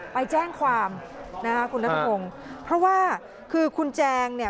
ไปแจ้งความนะคะคุณนัทพงศ์เพราะว่าคือคุณแจงเนี่ย